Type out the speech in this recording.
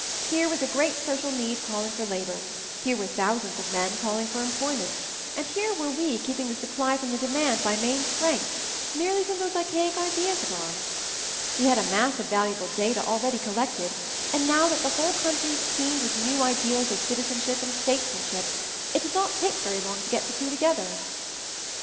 Here was a great social need calling for labor ; here were thousands of men calling for employment; and here were we keeping the supply from the demand by main strength — merely from those archaic ideas of ours. "We had a mass of valuable data already collected, and now that the whole country MOVING THE MOUNTAIN 135 teemed with new ideals of citizenship and statesmanship, it did not take very long to get the two together."